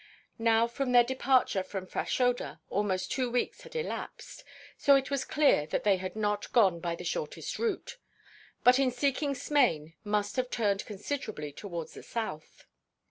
Now from their departure from Fashoda almost two weeks had elapsed; so it was clear that they had not gone by the shortest route, but in seeking Smain must have turned considerably towards the south.